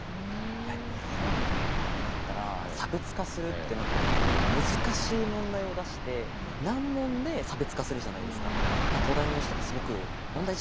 いや日本だったら差別化するってなった時に難しい問題を出して難問で差別化するじゃないですか。